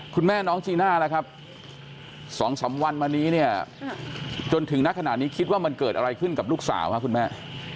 คุณแม่น้องจีน่าแล้วครับ๒๓วันมานี้เนี่ยจนถึงนักขณะนี้คิดว่ามันเกิดอะไรขึ้นกับลูกสาวครับคุณแม่